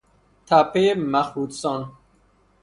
تپهی مخروطسان